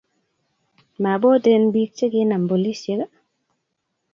maboten biik che kinam polisiek?